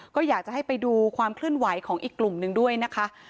ก็อยากจะให้ไปดูความเคลื่อนไหวของอีกกลุ่มหนึ่งด้วยนะคะ